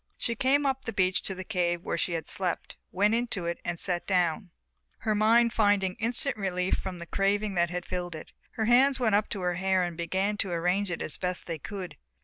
She came up the beach to the cave where she had slept, went into it, and sat down, her mind finding instant relief from the craving that had filled it. Her hands went up to her hair and began to arrange it as best they could.